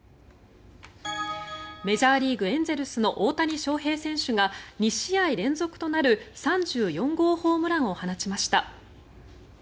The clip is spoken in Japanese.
メジャーリーグエンゼルスの大谷翔平選手が２試合連続となる３４号ホームランを放ちました。